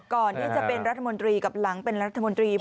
ก่อนที่จะเป็นรัฐมนตรีกับหลังเป็นรัฐมนตรี